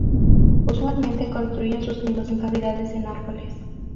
Usualmente construyen sus nidos en cavidades en árboles.